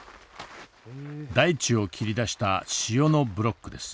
大地を切り出した塩のブロックです。